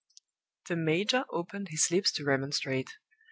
The major opened his lips to remonstrate.